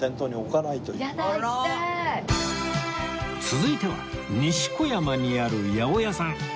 続いては西小山にある八百屋さん